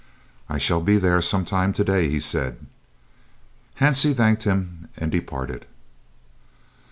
"I shall be there some time to day," he said. Hansie thanked him and departed.